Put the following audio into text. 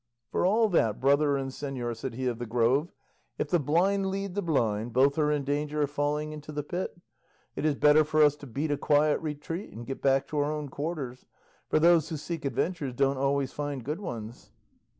"For all that, brother and señor," said he of the Grove, "if the blind lead the blind, both are in danger of falling into the pit. It is better for us to beat a quiet retreat and get back to our own quarters; for those who seek adventures don't always find good ones."